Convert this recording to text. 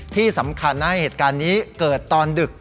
ที่สำคัญนะเหตุการณ์นี้เกิดตอนดึก